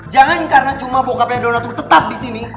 jangan karena cuma bokapnya dona tuh tetap disini